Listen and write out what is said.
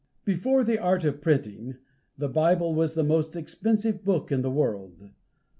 Before the art of printing, the Bible was the most expensive book in the world.